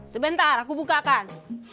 sebentar aku bukakan